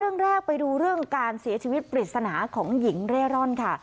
เรื่องแรกไปดูเรื่องการเสียชีวิตปริศนาของหญิงเร่ร่อนค่ะ